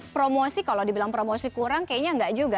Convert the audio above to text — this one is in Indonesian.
promosi kalau dibilang promosi kurang kayaknya enggak juga